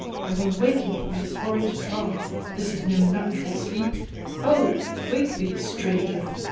I will awake him from this horrid trance. This is no natural sleep! Ho, wake thee, stranger!"